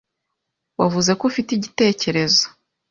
Wavuze ko ufite igitekerezo.